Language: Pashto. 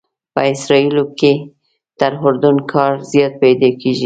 په اسرائیلو کې تر اردن کار زیات پیدا کېږي.